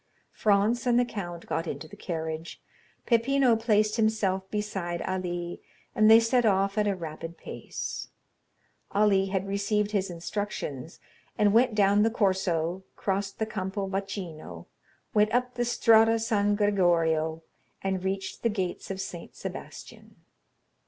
Franz and the count got into the carriage. Peppino placed himself beside Ali, and they set off at a rapid pace. Ali had received his instructions, and went down the Corso, crossed the Campo Vaccino, went up the Strada San Gregorio, and reached the gates of St. Sebastian.